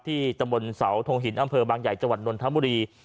ที่ตะบลเสาทงหินอำเภอบางใหญ่จนธมรี